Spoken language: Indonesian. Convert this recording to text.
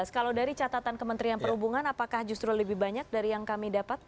kalau dari catatan kementerian perhubungan apakah justru lebih banyak dari yang kami dapat